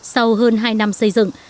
sau hơn hai năm xây dựng